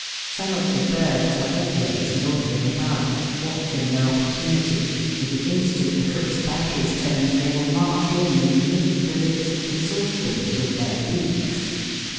Some of the birds are always loitering about, watching their opportunity, and the instant the cook's back is turned, they will march in and lift the lids of the saucepans with their beaks.